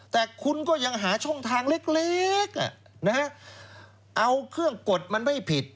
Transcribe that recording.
แต่คุณก็ยังหาช่องทางเล็กเอาเครื่องกดมันไม่ผิด